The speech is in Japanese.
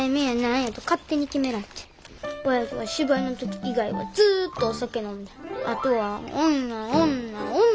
おやじは芝居の時以外はずっとお酒飲んであとは女女女！